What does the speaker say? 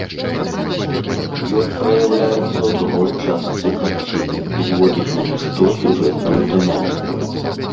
Ён праяўляецца ў другой частцы карціны і зводзіць на нішто сюжэтную дынаміку.